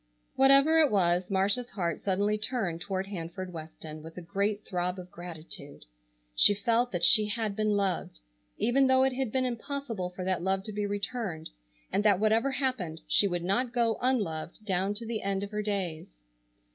Whatever it was, Marcia's heart suddenly turned toward Hanford Weston with a great throb of gratitude. She felt that she had been loved, even though it had been impossible for that love to be returned, and that whatever happened she would not go unloved down to the end of her days.